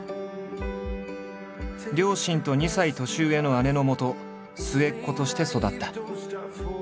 両親と２歳年上の姉のもと末っ子として育った。